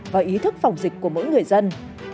vào ý thức phòng dịch của mỗi người dân